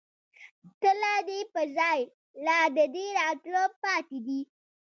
تله دې په ځائے، لا دې راتله پاتې دي